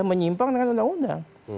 menyimpang dengan undang undang